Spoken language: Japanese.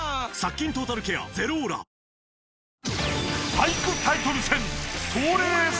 俳句タイトル戦。